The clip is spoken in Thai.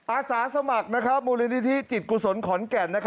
อาสาสมัครมูลนิธิจิตกุศลขอนแก่น